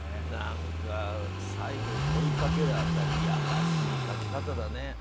何か、最後に問いかける辺りいやらしい書き方だね。